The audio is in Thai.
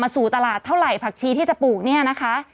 สู่ตลาดเท่าไหร่ผักชีที่จะปลูกเนี่ยนะคะ